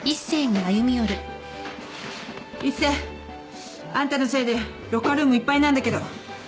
一星。あんたのせいでロッカールームいっぱいなんだけど。